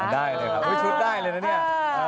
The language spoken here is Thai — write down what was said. ได้เลยครับชุดได้เลยนะเนี่ย